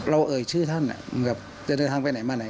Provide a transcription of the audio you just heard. เอ่ยชื่อท่านแบบจะเดินทางไปไหนมาไหน